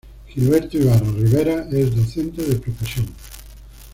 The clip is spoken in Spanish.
Gilberto Ibarra Rivera es docente de profesión.